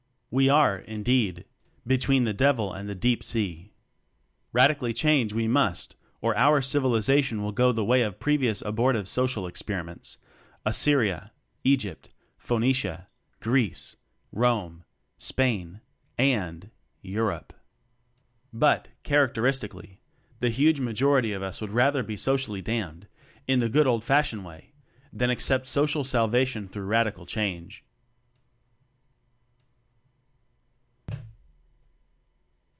We are, indeed, between the devil and the deep sea! Radically change we must, or our 28 TECHNOCRACY "Civilization" will go the way of previous abortive social experiments Assyria, Egypt, Phoenicia, Greece, Rome, Spain, and ... Europe. But, characteristically, the huge majority of us would rather be socially damned in the good old fashioned way, than accept social salvation through radical change.